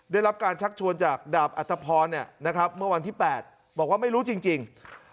ได้รับการชักชวนจากดาบอัตภพรเนี่ยนะครับเมื่อวันที่แปดบอกว่าไม่รู้จริงจริง